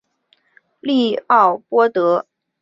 利奥波德亦是普鲁士陆军的主要组织者和改革者。